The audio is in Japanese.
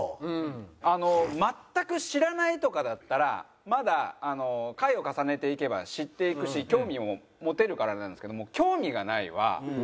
あの全く知らないとかだったらまだ回を重ねていけば知っていくし興味も持てるからあれなんですけども「興味がない」はもう多分ずっと変わらないんですよ。